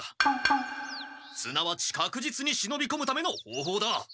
すなわちかくじつに忍びこむための方法だ！